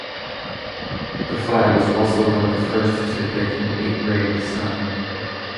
The flag was also one of the first to depict an eight-rayed sun.